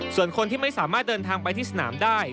ส่วนคนที่ไม่สามารถเดินทางไปที่สนามได้